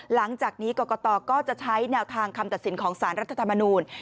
หลังจากนี้กรกตก็จะใช้แนวทางคำตัดสินของสารรัฐธรรมนูล